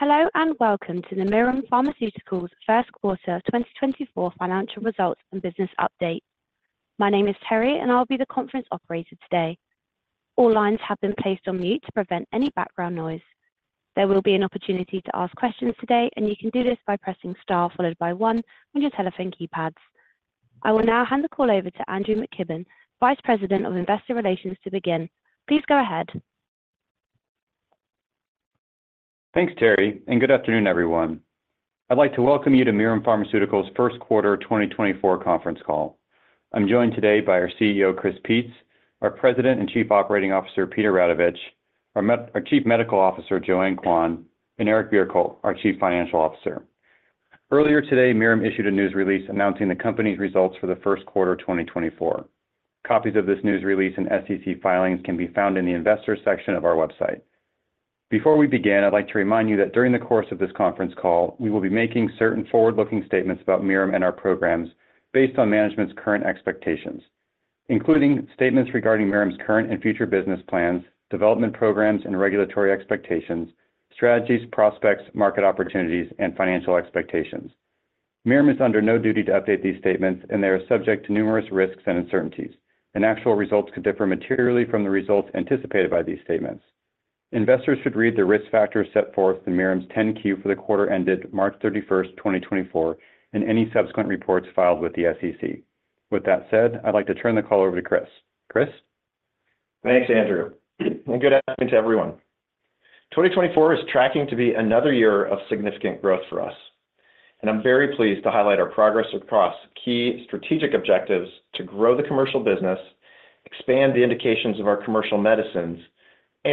Hello and welcome to the Mirum Pharmaceuticals first quarter 2024 financial results and business update. My name is Terri and I'll be the conference operator today. All lines have been placed on mute to prevent any background noise. There will be an opportunity to ask questions today, and you can do this by pressing star followed by one on your telephone keypads. I will now hand the call over to Andrew McKibben, Vice President of Investor Relations, to begin. Please go ahead. Thanks, Terri, and good afternoon, everyone. I'd like to welcome you to Mirum Pharmaceuticals' first quarter 2024 conference call. I'm joined today by our CEO, Chris Peetz, our President and Chief Operating Officer, Peter Radovich, our Chief Medical Officer, Joanne Quan, and Eric Bjerkholt, our Chief Financial Officer. Earlier today, Mirum issued a news release announcing the company's results for the first quarter 2024. Copies of this news release and SEC filings can be found in the Investors section of our website. Before we begin, I'd like to remind you that during the course of this conference call, we will be making certain forward-looking statements about Mirum and our programs based on management's current expectations, including statements regarding Mirum's current and future business plans, development programs, and regulatory expectations, strategies, prospects, market opportunities, and financial expectations. Mirum is under no duty to update these statements, and they are subject to numerous risks and uncertainties, and actual results could differ materially from the results anticipated by these statements. Investors should read the risk factors set forth in Mirum's 10-Q for the quarter ended March 31, 2024, and any subsequent reports filed with the SEC. With that said, I'd like to turn the call over to Chris. Chris? Thanks, Andrew. And good afternoon to everyone. 2024 is tracking to be another year of significant growth for us, and I'm very pleased to highlight our progress across key strategic objectives to grow the commercial business, expand the indications of our commercial medicines, and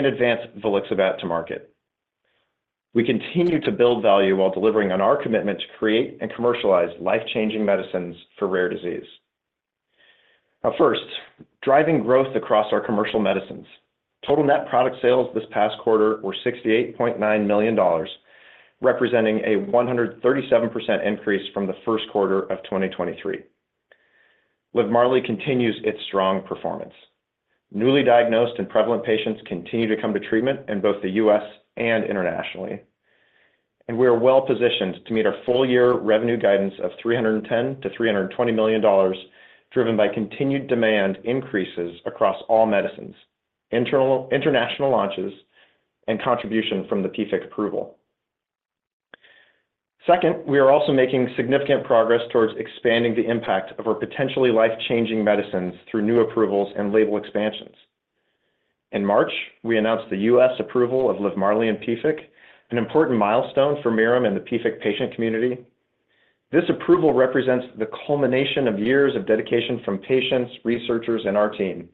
advance Volixibat to market. We continue to build value while delivering on our commitment to create and commercialize life-changing medicines for rare disease. Now, first, driving growth across our commercial medicines. Total net product sales this past quarter were $68.9 million, representing a 137% increase from the first quarter of 2023. Livmarly continues its strong performance. Newly diagnosed and prevalent patients continue to come to treatment in both the U.S. and internationally, and we are well positioned to meet our full-year revenue guidance of $310 million-$320 million, driven by continued demand increases across all medicines, international launches, and contribution from the PFIC approval. Second, we are also making significant progress towards expanding the impact of our potentially life-changing medicines through new approvals and label expansions. In March, we announced the U.S. approval of Livmarly and PFIC, an important milestone for Mirum and the PFIC patient community. This approval represents the culmination of years of dedication from patients, researchers, and our team.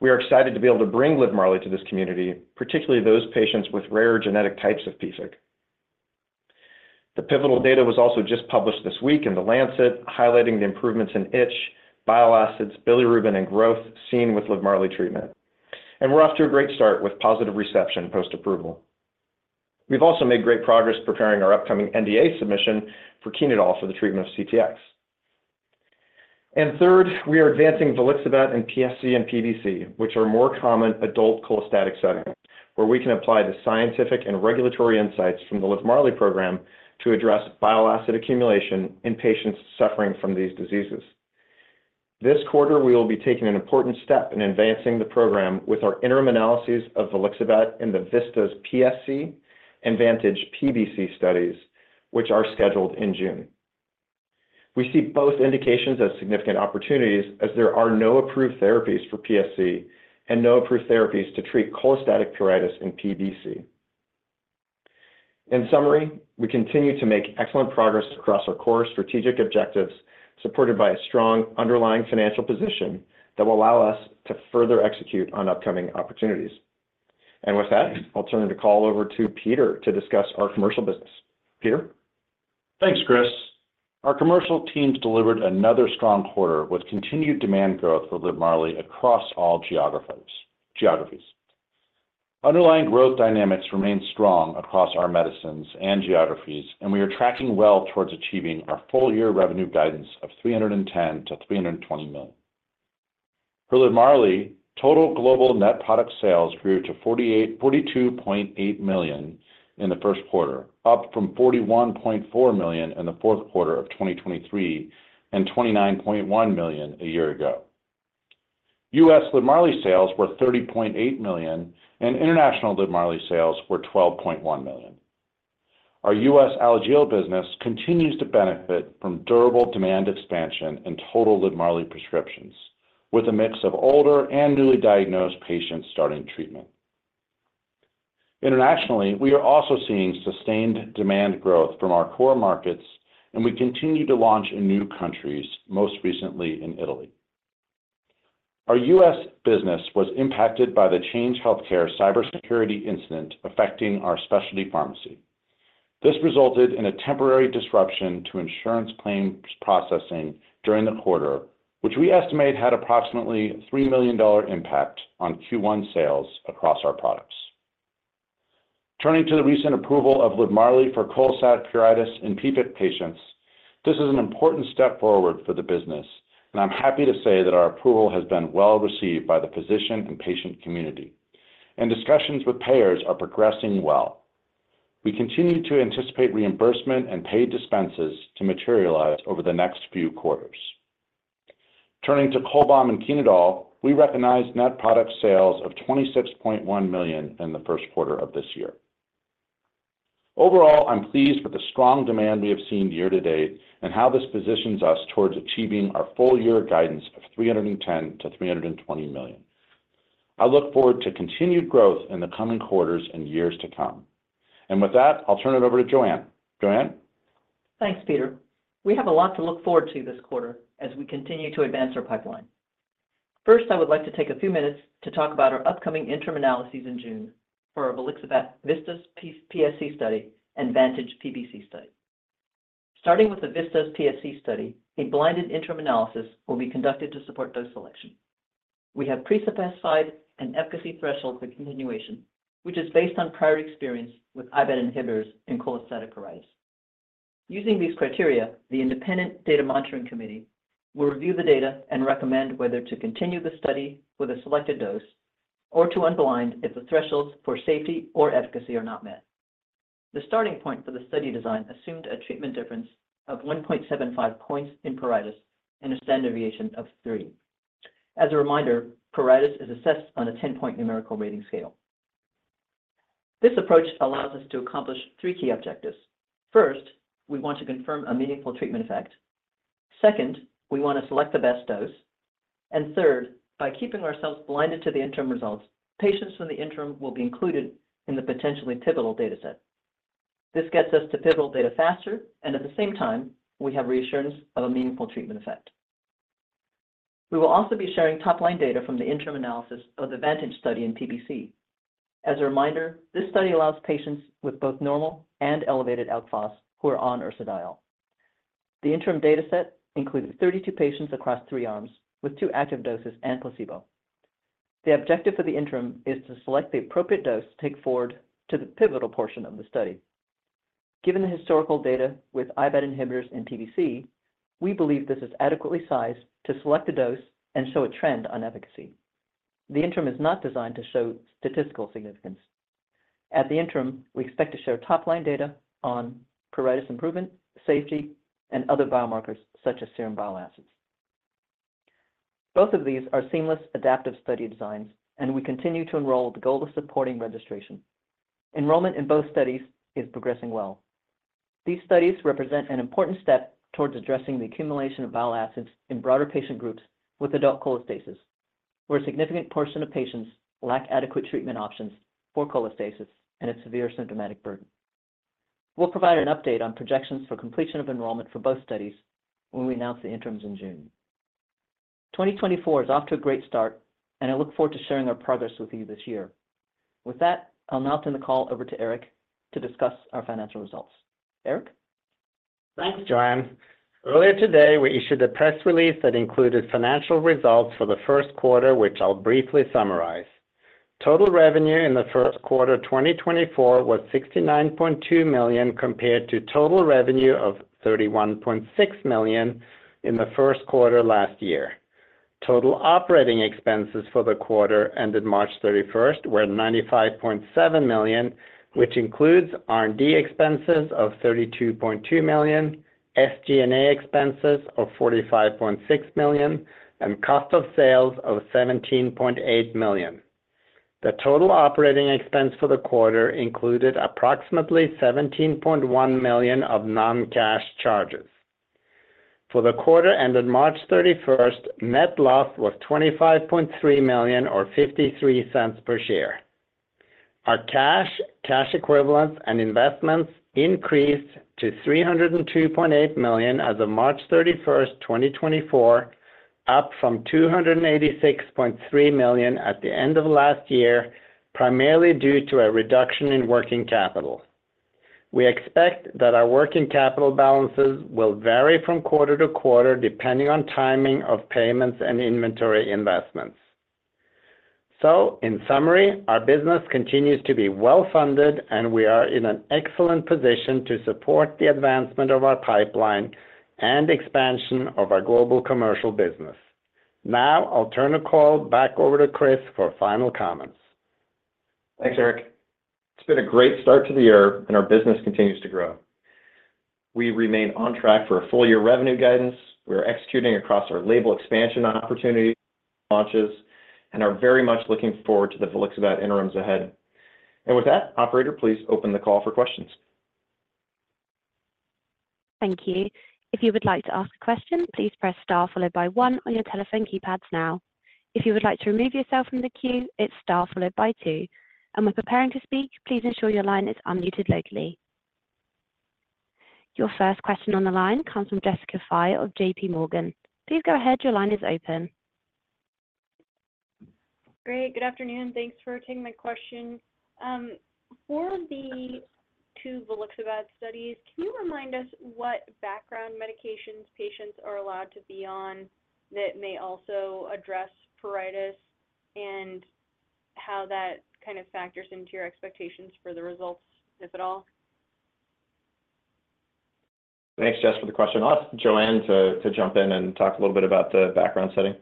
We are excited to be able to bring Livmarly to this community, particularly those patients with rare genetic types of PFIC. The pivotal data was also just published this week in The Lancet, highlighting the improvements in itch, bile acids, bilirubin, and growth seen with Livmarly treatment, and we're off to a great start with positive reception post-approval. We've also made great progress preparing our upcoming NDA submission for Chenodal for the treatment of CTX. And third, we are advancing Volixibat in PSC and PBC, which are more common adult cholestatic settings, where we can apply the scientific and regulatory insights from the Livmarly program to address bile acid accumulation in patients suffering from these diseases. This quarter, we will be taking an important step in advancing the program with our interim analyses of Volixibat in the VISTAS PSC and VANTAGE PBC studies, which are scheduled in June. We see both indications as significant opportunities as there are no approved therapies for PSC and no approved therapies to treat cholestatic pruritus in PBC. In summary, we continue to make excellent progress across our core strategic objectives, supported by a strong underlying financial position that will allow us to further execute on upcoming opportunities. And with that, I'll turn the call over to Peter to discuss our commercial business. Peter? Thanks, Chris. Our commercial teams delivered another strong quarter with continued demand growth for Livmarly across all geographies. Underlying growth dynamics remain strong across our medicines and geographies, and we are tracking well towards achieving our full-year revenue guidance of $310-$320 million. For Livmarly, total global net product sales grew to $42.8 million in the first quarter, up from $41.4 million in the fourth quarter of 2023 and $29.1 million a year ago. U.S. Livmarly sales were $30.8 million, and international Livmarly sales were $12.1 million. Our U.S. Alagille business continues to benefit from durable demand expansion in total Livmarly prescriptions, with a mix of older and newly diagnosed patients starting treatment. Internationally, we are also seeing sustained demand growth from our core markets, and we continue to launch in new countries, most recently in Italy. Our U.S. business was impacted by the Change Healthcare cybersecurity incident affecting our specialty pharmacy. This resulted in a temporary disruption to insurance claims processing during the quarter, which we estimate had approximately a $3 million impact on Q1 sales across our products. Turning to the recent approval of Livmarly for cholestatic pruritus in PFIC patients, this is an important step forward for the business, and I'm happy to say that our approval has been well received by the physician and patient community, and discussions with payers are progressing well. We continue to anticipate reimbursement and paid dispenses to materialize over the next few quarters. Turning to Cholbam and Chenodal, we recognize net product sales of $26.1 million in the first quarter of this year. Overall, I'm pleased with the strong demand we have seen year to date and how this positions us towards achieving our full-year guidance of $310 million-$320 million. I look forward to continued growth in the coming quarters and years to come. With that, I'll turn it over to Joanne. Joanne? Thanks, Peter. We have a lot to look forward to this quarter as we continue to advance our pipeline. First, I would like to take a few minutes to talk about our upcoming interim analyses in June for our VISTAS PSC study and VANTAGE PBC study. Starting with the VISTAS PSC study, a blinded interim analysis will be conducted to support dose selection. We have pre-specified an efficacy threshold for continuation, which is based on prior experience with IBAT inhibitors in cholestatic pruritus. Using these criteria, the Independent Data Monitoring Committee will review the data and recommend whether to continue the study with a selected dose or to unblind if the thresholds for safety or efficacy are not met. The starting point for the study design assumed a treatment difference of 1.75 points in pruritus and a standard deviation of 3. As a reminder, pruritus is assessed on a 10-point numerical rating scale. This approach allows us to accomplish three key objectives. First, we want to confirm a meaningful treatment effect. Second, we want to select the best dose. And third, by keeping ourselves blinded to the interim results, patients from the interim will be included in the potentially pivotal dataset. This gets us to pivotal data faster, and at the same time, we have reassurance of a meaningful treatment effect. We will also be sharing top-line data from the interim analysis of the Vantage study in PBC. As a reminder, this study allows patients with both normal and elevated alkaline phosphatase who are on ursodiol. The interim dataset included 32 patients across three arms with two active doses and placebo. The objective of the interim is to select the appropriate dose to take forward to the pivotal portion of the study. Given the historical data with IBAT inhibitors in PBC, we believe this is adequately sized to select a dose and show a trend on efficacy. The interim is not designed to show statistical significance. At the interim, we expect to share top-line data on pruritus improvement, safety, and other biomarkers such as serum bile acids. Both of these are seamless adaptive study designs, and we continue to enroll with the goal of supporting registration. Enrollment in both studies is progressing well. These studies represent an important step towards addressing the accumulation of bile acids in broader patient groups with adult cholestasis, where a significant portion of patients lack adequate treatment options for cholestasis and a severe symptomatic burden. We'll provide an update on projections for completion of enrollment for both studies when we announce the interims in June. 2024 is off to a great start, and I look forward to sharing our progress with you this year. With that, I'll now turn the call over to Eric to discuss our financial results. Eric? Thanks, Joanne. Earlier today, we issued a press release that included financial results for the first quarter, which I'll briefly summarize. Total revenue in the first quarter 2024 was $69.2 million compared to total revenue of $31.6 million in the first quarter last year. Total operating expenses for the quarter ended March 31, were $95.7 million, which includes R&D expenses of $32.2 million, SG&A expenses of $45.6 million, and cost of sales of $17.8 million. The total operating expense for the quarter included approximately $17.1 million of non-cash charges. For the quarter ended March 31, net loss was $25.3 million or $0.53 per share. Our cash, cash equivalents, and investments increased to $302.8 million as of March 31, 2024, up from $286.3 million at the end of last year, primarily due to a reduction in working capital. We expect that our working capital balances will vary from quarter to quarter depending on timing of payments and inventory investments. So, in summary, our business continues to be well funded, and we are in an excellent position to support the advancement of our pipeline and expansion of our global commercial business. Now, I'll turn the call back over to Chris for final comments. Thanks, Eric. It's been a great start to the year, and our business continues to grow. We remain on track for a full-year revenue guidance. We are executing across our label expansion opportunity launches and are very much looking forward to the Volixibat interims ahead. And with that, operator, please open the call for questions. Thank you. If you would like to ask a question, please press star followed by 1 on your telephone keypads now. If you would like to remove yourself from the queue, it's star followed by 2. And when preparing to speak, please ensure your line is unmuted locally. Your first question on the line comes from Jessica Fye of JPMorgan. Please go ahead. Your line is open. Great. Good afternoon. Thanks for taking my question. For the two Volixibat studies, can you remind us what background medications patients are allowed to be on that may also address pruritus and how that kind of factors into your expectations for the results, if at all? Thanks, Jess, for the question. I'll ask Joanne to jump in and talk a little bit about the background setting.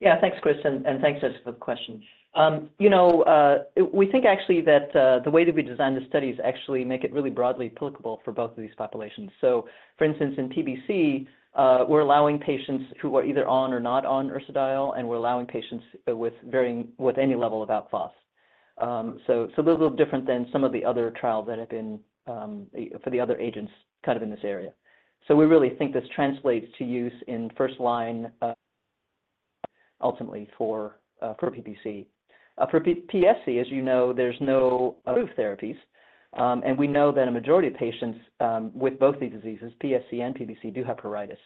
Yeah, thanks, Chris, and thanks, Jess, for the question. We think actually that the way that we designed the studies actually makes it really broadly applicable for both of these populations. So, for instance, in PBC, we're allowing patients who are either on or not on ursodiol, and we're allowing patients with any level of alkaline phosphatase. So this is a little different than some of the other trials that have been for the other agents kind of in this area. So we really think this translates to use in first line, ultimately, for PBC. For PSC, as you know, there's no approved therapies, and we know that a majority of patients with both these diseases, PSC and PBC, do have pruritus.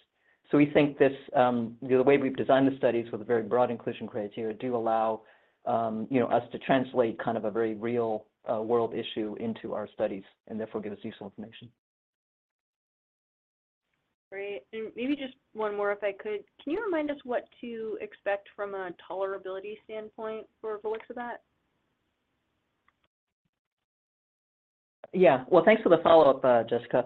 We think the way we've designed the studies with a very broad inclusion criteria do allow us to translate kind of a very real-world issue into our studies and therefore give us useful information. Great. And maybe just one more, if I could. Can you remind us what to expect from a tolerability standpoint for Volixibat? Yeah. Well, thanks for the follow-up, Jessica.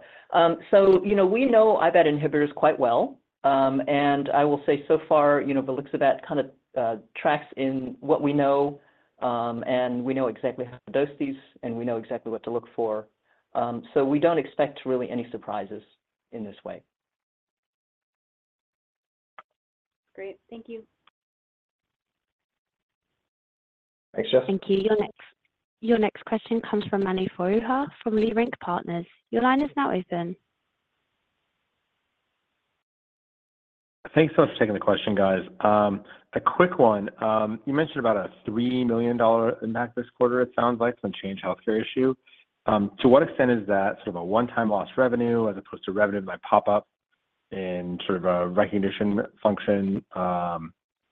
So we know IBAT inhibitors quite well. And I will say so far, Volixibat kind of tracks in what we know, and we know exactly how to dose these, and we know exactly what to look for. So we don't expect really any surprises in this way. Great. Thank you. Thanks, Jess. Thank you. Your next question comes from Mani Foroohar from Leerink Partners. Your line is now open. Thanks so much for taking the question, guys. A quick one. You mentioned about a $3 million impact this quarter, it sounds like, from the Change Healthcare issue. To what extent is that sort of a one-time loss revenue as opposed to revenue that might pop up in sort of a recognition function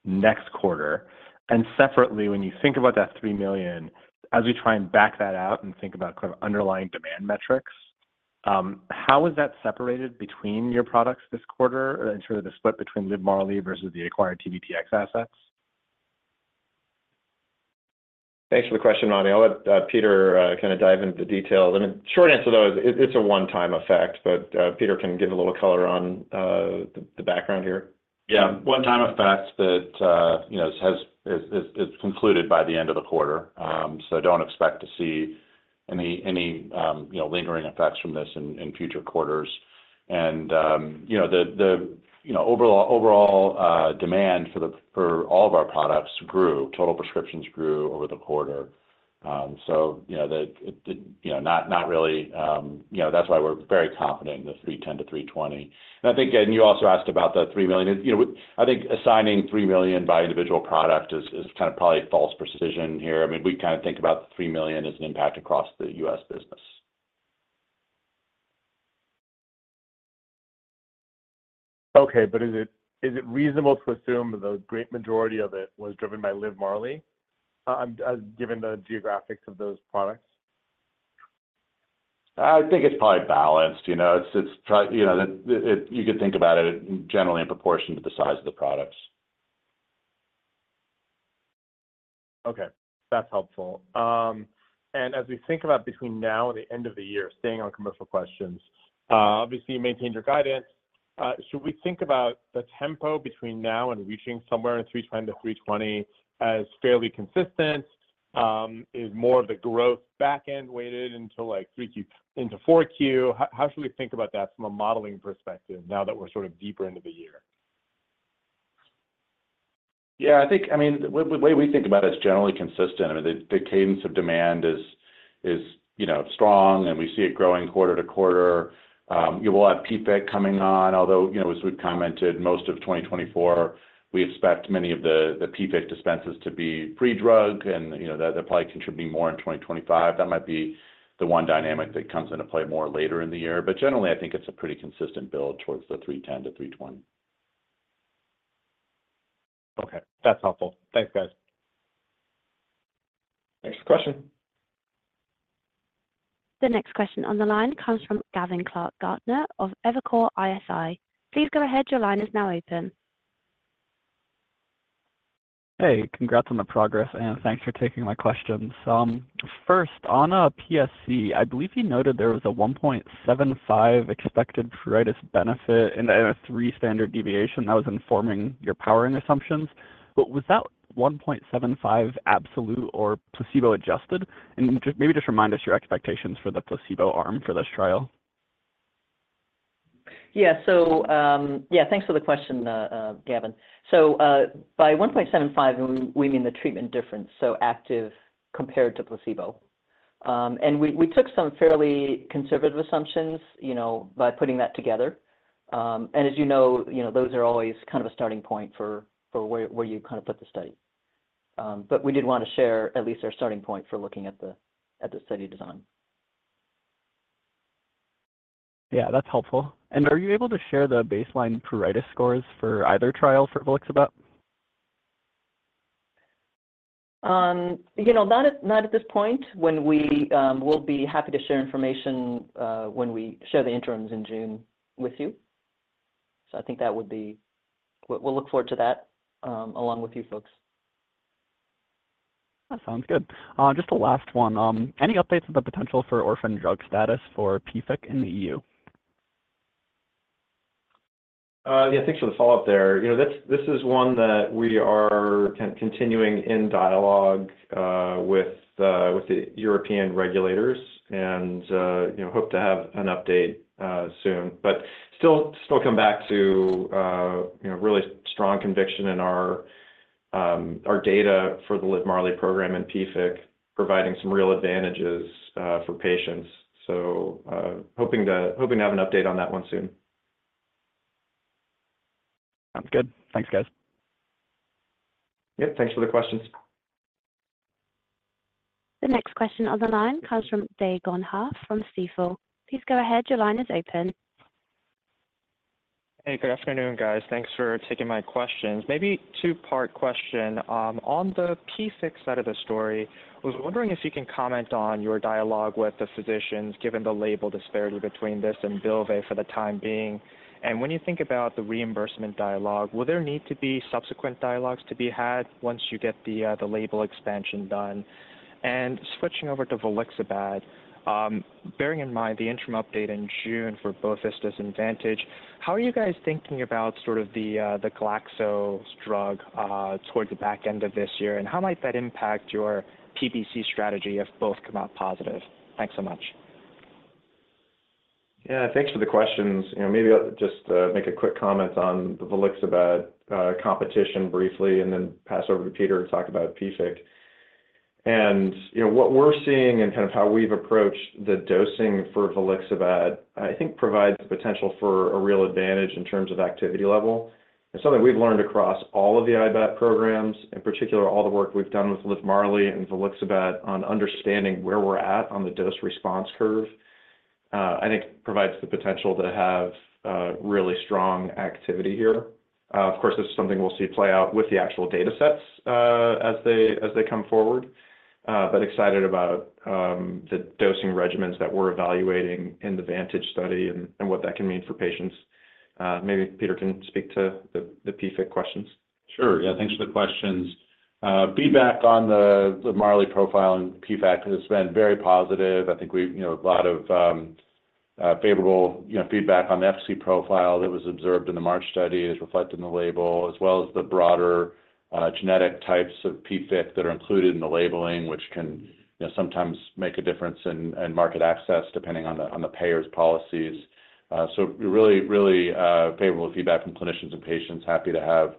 next quarter? And separately, when you think about that $3 million, as we try and back that out and think about kind of underlying demand metrics, how is that separated between your products this quarter and sort of the split between Livmarly versus the acquired TVTX assets? Thanks for the question, Manny. I'll let Peter kind of dive into the details. The short answer to that is it's a one-time effect, but Peter can give a little color on the background here. Yeah. One-time effect that is concluded by the end of the quarter. So don't expect to see any lingering effects from this in future quarters. And the overall demand for all of our products grew. Total prescriptions grew over the quarter. So not really that's why we're very confident in the $310 million-$320 million. And I think, again, you also asked about the $3 million. I think assigning $3 million by individual product is kind of probably false precision here. I mean, we kind of think about the $3 million as an impact across the U.S. business. Okay. But is it reasonable to assume the great majority of it was driven by Livmarly given the geographics of those products? I think it's probably balanced. It's probably you could think about it generally in proportion to the size of the products. Okay. That's helpful. And as we think about between now and the end of the year, staying on commercial questions, obviously, you maintained your guidance. Should we think about the tempo between now and reaching somewhere in $310 million-$320 million as fairly consistent? Is more of the growth backend weighted into 4Q? How should we think about that from a modeling perspective now that we're sort of deeper into the year? Yeah. I mean, the way we think about it is generally consistent. I mean, the cadence of demand is strong, and we see it growing quarter to quarter. We'll have PFIC coming on, although, as we've commented, most of 2024, we expect many of the PFIC dispenses to be pre-drug, and they're probably contributing more in 2025. That might be the one dynamic that comes into play more later in the year. But generally, I think it's a pretty consistent build towards the $310 million-$320 million. Okay. That's helpful. Thanks, guys. Thanks for the question. The next question on the line comes from Gavin Clark-Gartner of Evercore ISI. Please go ahead. Your line is now open. Hey. Congrats on the progress, and thanks for taking my questions. First, on a PSC, I believe you noted there was a 1.75 expected pruritus benefit and a 3 standard deviation. That was informing your powering assumptions. But was that 1.75 absolute or placebo-adjusted? And maybe just remind us your expectations for the placebo arm for this trial. Yeah. So yeah, thanks for the question, Gavin. So by 1.75, we mean the treatment difference, so active compared to placebo. And we took some fairly conservative assumptions by putting that together. And as you know, those are always kind of a starting point for where you kind of put the study. But we did want to share at least our starting point for looking at the study design. Yeah. That's helpful. And are you able to share the baseline pruritus scores for either trial for Volixibat? Not at this point. We'll be happy to share information when we share the interims in June with you. So I think we'll look forward to that along with you folks. That sounds good. Just the last one. Any updates on the potential for orphan drug status for PFIC in the EU? Yeah. Thanks for the follow-up there. This is one that we are continuing in dialogue with the European regulators and hope to have an update soon. But still come back to really strong conviction in our data for the Livmarly program and PFIC providing some real advantages for patients. So hoping to have an update on that one soon. Sounds good. Thanks, guys. Yep. Thanks for the questions. The next question on the line comes from Dae Gon Ha from Stifel. Please go ahead. Your line is open. Hey. Good afternoon, guys. Thanks for taking my questions. Maybe two-part question. On the PFIC side of the story, I was wondering if you can comment on your dialogue with the physicians given the label disparity between this and Bylvay for the time being. And when you think about the reimbursement dialogue, will there need to be subsequent dialogues to be had once you get the label expansion done? And switching over to Volixibat, bearing in mind the interim update in June for both VISTAS and VANTAGE, how are you guys thinking about sort of the Glaxo's drug towards the back end of this year, and how might that impact your PBC strategy if both come out positive? Thanks so much. Yeah. Thanks for the questions. Maybe I'll just make a quick comment on the Volixibat competition briefly, and then pass over to Peter to talk about PFIC. What we're seeing and kind of how we've approached the dosing for Volixibat, I think, provides potential for a real advantage in terms of activity level. It's something we've learned across all of the IBAT programs, in particular, all the work we've done with Livmarly and Volixibat on understanding where we're at on the dose response curve, I think, provides the potential to have really strong activity here. Of course, this is something we'll see play out with the actual datasets as they come forward, but excited about the dosing regimens that we're evaluating in the VANTAGE study and what that can mean for patients. Maybe Peter can speak to the PFIC questions. Sure. Yeah. Thanks for the questions. Feedback on the Livmarly profile and PFIC has been very positive. I think we have a lot of favorable feedback on the PFIC profile that was observed in the March study is reflected in the label, as well as the broader genetic types of PFIC that are included in the labeling, which can sometimes make a difference in market access depending on the payer's policies. So really, really favorable feedback from clinicians and patients, happy to have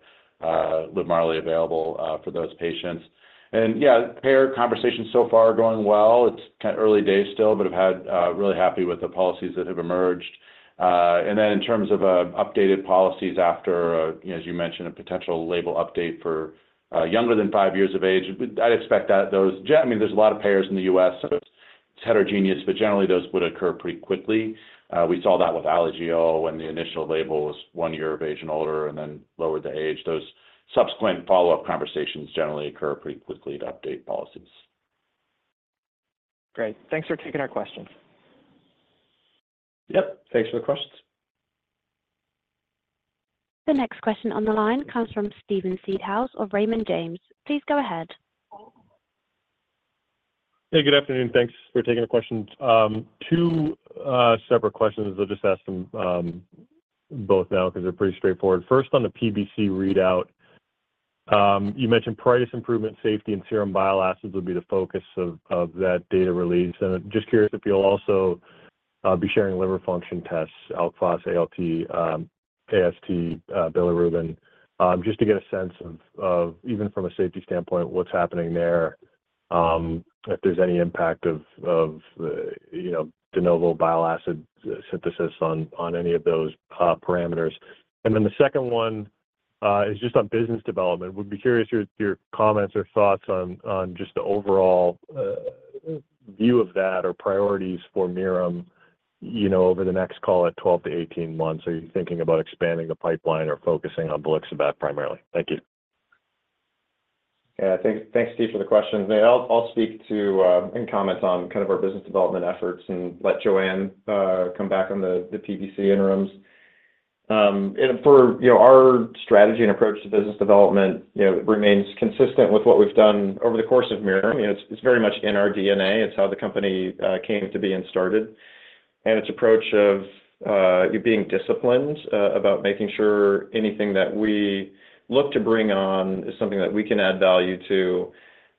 Livmarly available for those patients. And yeah, payer conversations so far are going well. It's kind of early days still, but I'm really happy with the policies that have emerged. In terms of updated policies after, as you mentioned, a potential label update for younger than five years of age, I'd expect that those—I mean, there's a lot of payers in the U.S., so it's heterogeneous, but generally, those would occur pretty quickly. We saw that with Alagille when the initial label was one year of age and older and then lowered the age. Those subsequent follow-up conversations generally occur pretty quickly to update policies. Great. Thanks for taking our questions. Yep. Thanks for the questions. The next question on the line comes from Stephen Seedhouse of Raymond James. Please go ahead. Hey. Good afternoon. Thanks for taking the questions. Two separate questions. I'll just ask them both now because they're pretty straightforward. First, on the PBC readout, you mentioned pruritus improvement, safety, and serum bile acids would be the focus of that data release. And just curious if you'll also be sharing liver function tests, alk phos, ALT, AST, bilirubin, just to get a sense of, even from a safety standpoint, what's happening there, if there's any impact of de novo bile acid synthesis on any of those parameters. And then the second one is just on business development. We'd be curious your comments or thoughts on just the overall view of that or priorities for Mirum over the next, call it, 12-18 months. Are you thinking about expanding the pipeline or focusing on Volixibat primarily? Thank you. Yeah. Thanks, Steve, for the questions. I'll speak to and comment on kind of our business development efforts and let Joanne come back on the PBC interims. And for our strategy and approach to business development, it remains consistent with what we've done over the course of Mirum. It's very much in our DNA. It's how the company came to be and started. And it's approach of being disciplined about making sure anything that we look to bring on is something that we can add value to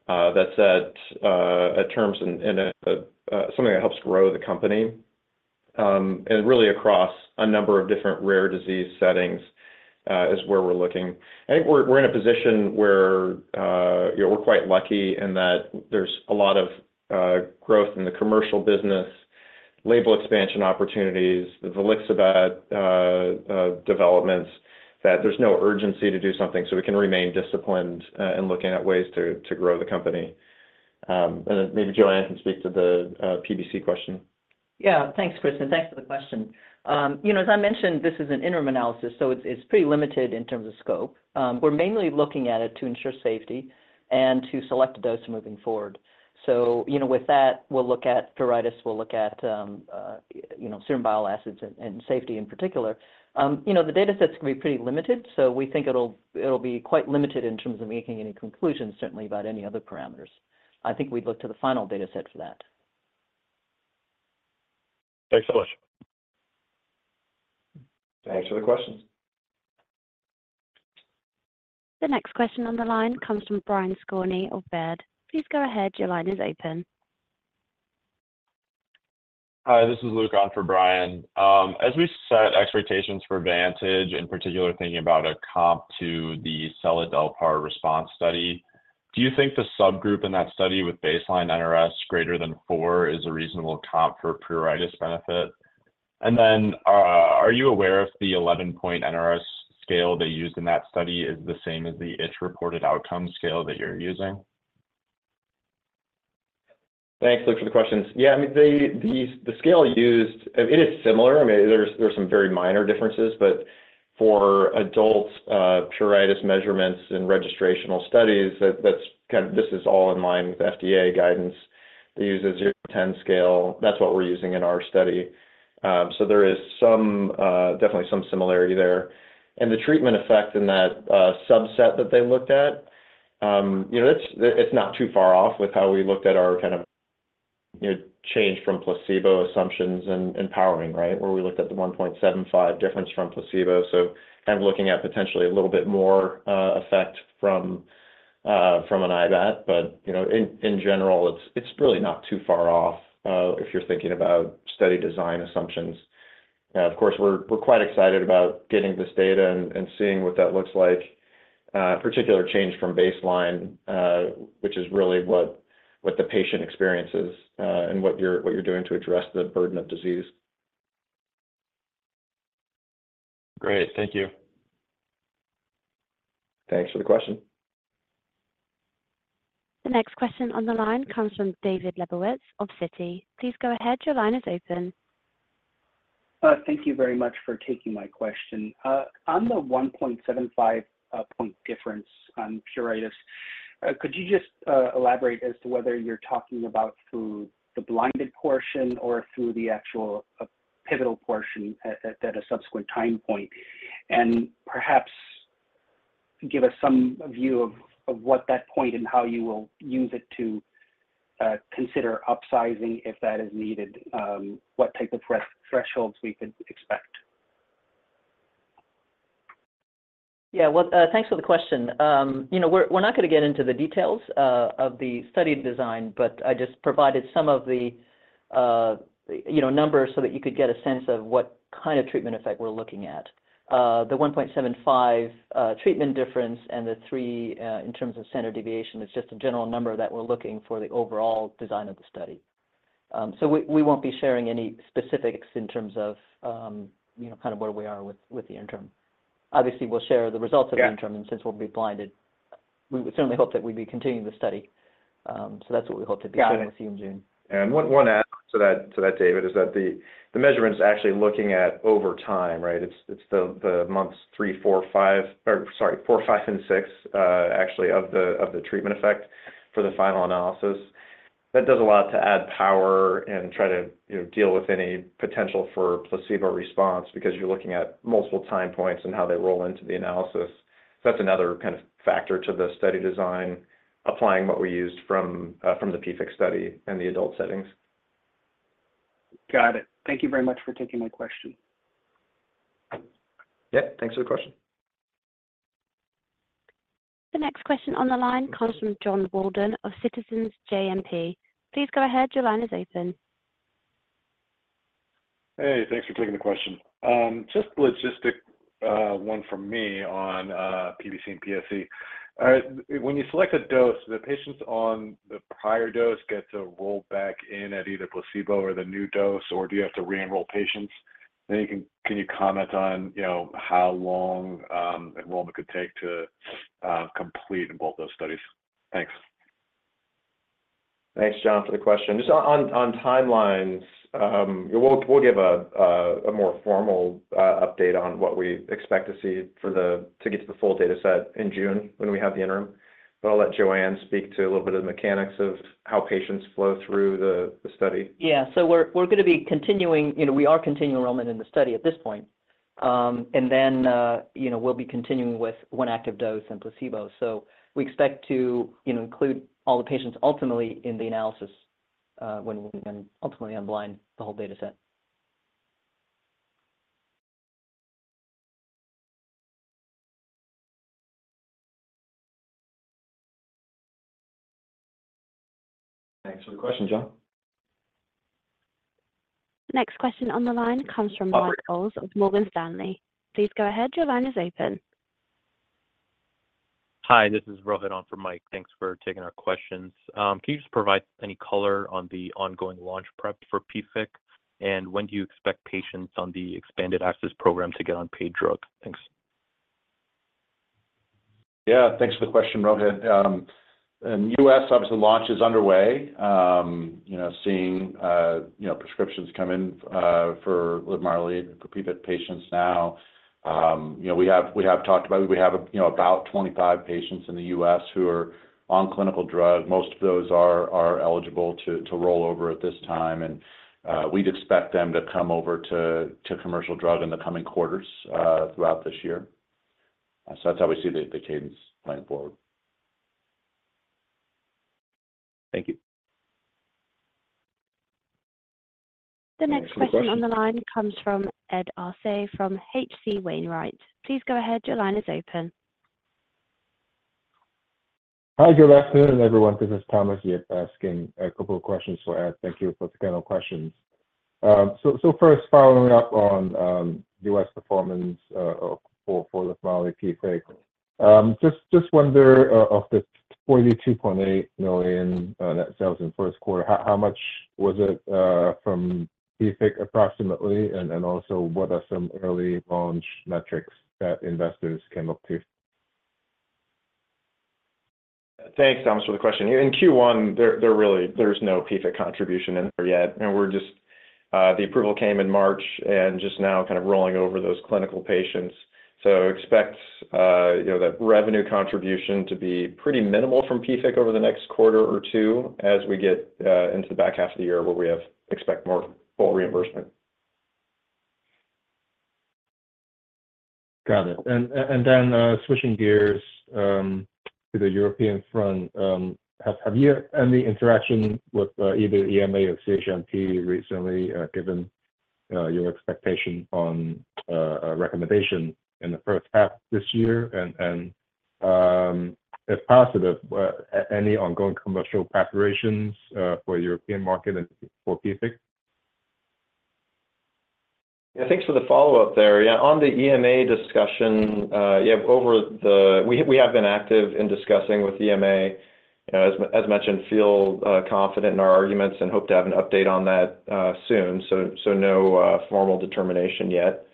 that's at terms in something that helps grow the company. And really, across a number of different rare disease settings is where we're looking. I think we're in a position where we're quite lucky in that there's a lot of growth in the commercial business, label expansion opportunities, the Volixibat developments, that there's no urgency to do something. We can remain disciplined in looking at ways to grow the company. Then maybe Joanne can speak to the PBC question. Yeah. Thanks, Chris. Thanks for the question. As I mentioned, this is an interim analysis, so it's pretty limited in terms of scope. We're mainly looking at it to ensure safety and to select a dose moving forward. With that, we'll look at pruritus. We'll look at serum bile acids and safety in particular. The datasets can be pretty limited. We think it'll be quite limited in terms of making any conclusions, certainly, about any other parameters. I think we'd look to the final dataset for that. Thanks so much. Thanks for the questions. The next question on the line comes from Brian Skorney of Baird. Please go ahead. Your line is open. Hi. This is Luke on for Brian. As we set expectations for VANTAGE, in particular, thinking about a comp to the Seladelpar response study, do you think the subgroup in that study with baseline NRS greater than 4 is a reasonable comp for pruritus benefit? And then are you aware if the 11-point NRS scale they used in that study is the same as the ITCH reported outcome scale that you're using? Thanks, Luke, for the questions. Yeah. I mean, the scale used, it is similar. I mean, there are some very minor differences. But for adult pruritus measurements and registrational studies, this is all in line with FDA guidance. They use a 0-to-10 scale. That's what we're using in our study. So there is definitely some similarity there. And the treatment effect in that subset that they looked at, it's not too far off with how we looked at our kind of change from placebo assumptions and powering, right, where we looked at the 1.75 difference from placebo. So kind of looking at potentially a little bit more effect from an IBAT. But in general, it's really not too far off if you're thinking about study design assumptions. Of course, we're quite excited about getting this data and seeing what that looks like, particular change from baseline, which is really what the patient experiences and what you're doing to address the burden of disease. Great. Thank you. Thanks for the question. The next question on the line comes from David Lebowitz of Citi. Please go ahead. Your line is open. Thank you very much for taking my question. On the 1.75-point difference on pruritus, could you just elaborate as to whether you're talking about through the blinded portion or through the actual pivotal portion at a subsequent time point and perhaps give us some view of what that point and how you will use it to consider upsizing if that is needed, what type of thresholds we could expect? Yeah. Well, thanks for the question. We're not going to get into the details of the study design, but I just provided some of the numbers so that you could get a sense of what kind of treatment effect we're looking at. The 1.75 treatment difference and the 3 in terms of standard deviation, it's just a general number that we're looking for the overall design of the study. So we won't be sharing any specifics in terms of kind of where we are with the interim. Obviously, we'll share the results of the interim. And since we'll be blinded, we would certainly hope that we'd be continuing the study. So that's what we hope to be sharing with you in June. Yeah. One add-on to that, David, is that the measurement's actually looking at over time, right? It's the months 3, 4, 5 or sorry, 4, 5, and 6, actually, of the treatment effect for the final analysis. That does a lot to add power and try to deal with any potential for placebo response because you're looking at multiple time points and how they roll into the analysis. That's another kind of factor to the study design, applying what we used from the PFIC study and the adult settings. Got it. Thank you very much for taking my question. Yep. Thanks for the question. The next question on the line comes from Jonathan Wolleben of Citizens JMP. Please go ahead. Your line is open. Hey. Thanks for taking the question. Just a logistic one from me on PBC and PSC. When you select a dose, do the patients on the prior dose get to roll back in at either placebo or the new dose, or do you have to re-enroll patients? And then can you comment on how long enrollment could take to complete in both those studies? Thanks. Thanks, Jon, for the question. Just on timelines, we'll give a more formal update on what we expect to see to get to the full dataset in June when we have the interim. But I'll let Joanne speak to a little bit of the mechanics of how patients flow through the study. Yeah. So we are continuing enrollment in the study at this point. And then we'll be continuing with one active dose and placebo. So we expect to include all the patients ultimately in the analysis when we ultimately unblind the whole dataset. Thanks for the question, John. Next question on the line comes from Michael Ulz of Morgan Stanley. Please go ahead. Your line is open. Hi. This is Rohit on for Mike. Thanks for taking our questions. Can you just provide any color on the ongoing launch prep for PFIC, and when do you expect patients on the expanded access program to get on paid drug? Thanks. Yeah. Thanks for the question, Rohit. In the U.S., obviously, launch is underway, seeing prescriptions come in for Livmarly for PFIC patients now. We have talked about we have about 25 patients in the U.S. who are on clinical drug. Most of those are eligible to roll over at this time. And we'd expect them to come over to commercial drug in the coming quarters throughout this year. So that's how we see the cadence going forward. Thank you. The next question on the line comes from Ed Arce from H.C. Wainwright. Please go ahead. Your line is open. Hi. Good afternoon, everyone. This is Thomas Yip asking a couple of questions to add. Thank you for the general questions. So first, following up on U.S. performance for Livmarly PFIC, just wonder of the $42.8 million that sells in first quarter, how much was it from PFIC approximately? And also, what are some early-launch metrics that investors can look to? Thanks, Thomas, for the question. In Q1, there's no PFIC contribution in there yet. And the approval came in March and just now kind of rolling over those clinical patients. So expect that revenue contribution to be pretty minimal from PFIC over the next quarter or two as we get into the back half of the year where we expect more full reimbursement. Got it. And then switching gears to the European front, have you had any interaction with either EMA or CHMP recently, given your expectation on recommendation in the first half this year? And if positive, any ongoing commercial preparations for the European market for PFIC? Yeah. Thanks for the follow-up there. Yeah. On the EMA discussion, yeah, we have been active in discussing with EMA. As mentioned, feel confident in our arguments and hope to have an update on that soon. So no formal determination yet.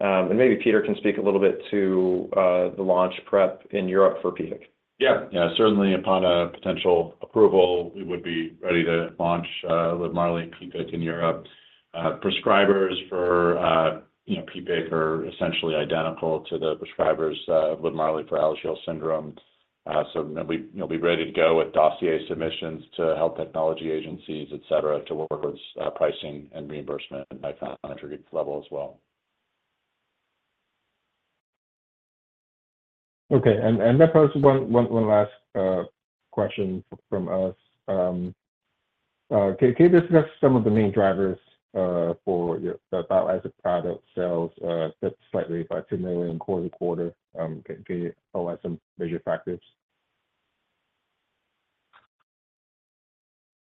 And maybe Peter can speak a little bit to the launch prep in Europe for PFIC. Yeah. Yeah. Certainly, upon a potential approval, we would be ready to launch Livmarly PFIC in Europe. Prescribers for PFIC are essentially identical to the prescribers of Livmarly for Alagille syndrome. So we'll be ready to go with dossier submissions to health technology agencies, etc., towards pricing and reimbursement at that level as well. Okay. That prompts one last question from us. Can you discuss some of the main drivers for the bile acid product sales that slightly by $2 million quarter to quarter? Can you tell us some major factors?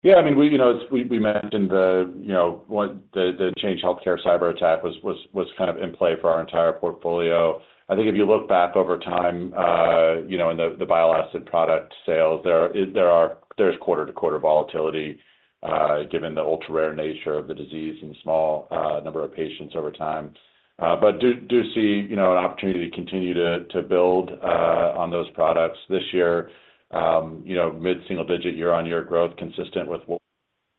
Yeah. I mean, we mentioned the Change Healthcare cyberattack was kind of in play for our entire portfolio. I think if you look back over time in the bile acid product sales, there's quarter-to-quarter volatility given the ultra-rare nature of the disease and the small number of patients over time. But do see an opportunity to continue to build on those products this year, mid-single-digit year-on-year growth consistent with what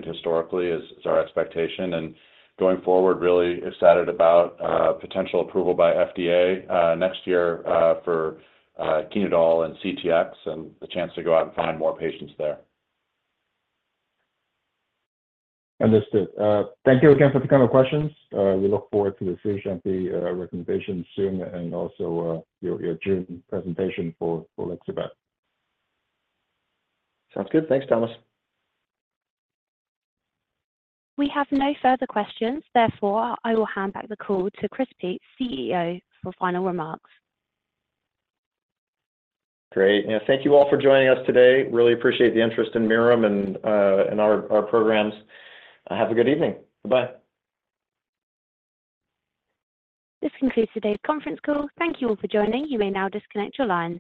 we've historically is our expectation. And going forward, really excited about potential approval by FDA next year for Chenodal and CTX and the chance to go out and find more patients there. Understood. Thank you again for the kind of questions. We look forward to the CHMP recommendations soon and also your June presentation for Volixibat. Sounds good. Thanks, Thomas. We have no further questions. Therefore, I will hand back the call to Chris Peetz, CEO, for final remarks. Great. Yeah. Thank you all for joining us today. Really appreciate the interest in Mirum and our programs. Have a good evening. Goodbye. This concludes today's conference call. Thank you all for joining. You may now disconnect your lines.